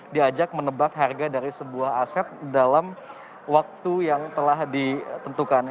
diajak menebak harga dari sebuah aset dalam waktu yang telah ditentukan